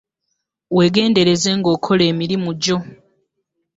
Wegendereze nga okola emirimu gyo.